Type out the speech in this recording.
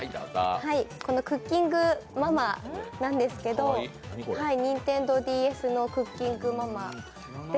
この「クッキングママ」なんですけどニンテンドーＤＳの「クッキングママ」。